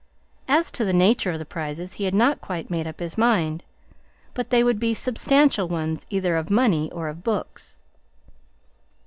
As to the nature of the prizes he had not quite made up his mind, but they would be substantial ones, either of money or of books.